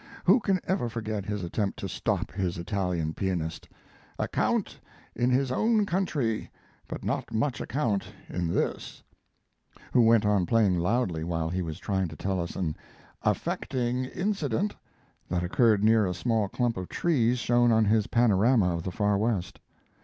Who can ever forget his attempt to stop his Italian pianist "a count in his own country, but not much account in this" who went on playing loudly while he was trying to tell us an "affecting incident" that occurred near a small clump of trees shown on his panorama of the Far West.